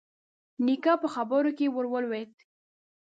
نيکه په خبره کې ور ولوېد: